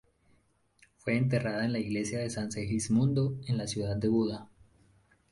Fue enterrada en la iglesia de San Segismundo en la ciudad de Buda.